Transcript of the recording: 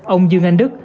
ông dương anh đức